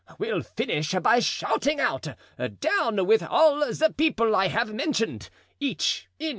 will finish by shouting out, Down with all the people I have mentioned, each in his turn.